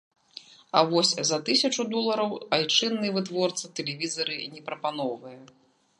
А вось за тысячу долараў айчынны вытворца тэлевізары не прапаноўвае.